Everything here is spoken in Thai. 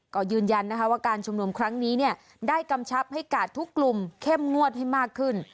ก็ยืนยันนะคะว่าการชุมนุมครั้งนี้ได้กำชับให้กาดทุกกลุ่มเข้มงวดให้มากขึ้น